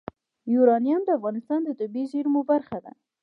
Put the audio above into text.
یورانیم د افغانستان د طبیعي زیرمو برخه ده.